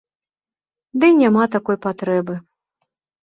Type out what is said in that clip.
Ды і няма такой патрэбы.